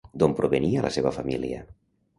D'on provenia la seva família?